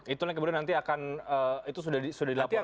itu yang kemudian nanti akan itu sudah dilaporkan